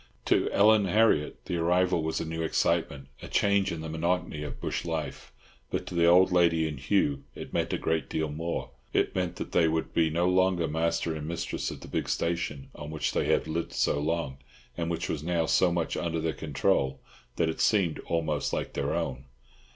To Ellen Harriott the arrival was a new excitement, a change in the monotony of bush life; but to the old lady and Hugh it meant a great deal more. It meant that they would be no longer master and mistress of the big station on which they had lived so long, and which was now so much under their control that it seemed almost like their own.